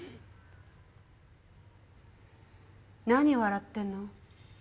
何笑ってるの？